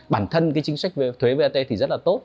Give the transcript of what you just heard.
bản thân cái chính sách thuế vat thì rất là tốt